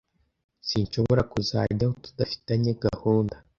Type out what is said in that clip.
sinshobora kuzajyayo tudafitanye gahunda